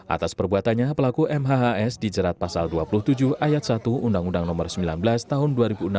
atas perbuatannya pelaku mhhs dijerat pasal dua puluh tujuh ayat satu undang undang nomor sembilan belas tahun dua ribu enam belas